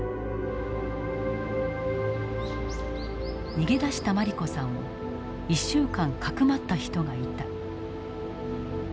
逃げ出した茉莉子さんを１週間かくまった人がいた。